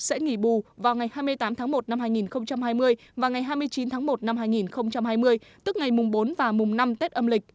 sẽ nghỉ bù vào ngày hai mươi tám tháng một năm hai nghìn hai mươi và ngày hai mươi chín tháng một năm hai nghìn hai mươi tức ngày mùng bốn và mùng năm tết âm lịch